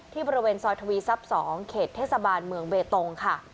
บริเวณซอยทวีทรัพย์๒เขตเทศบาลเมืองเบตงค่ะ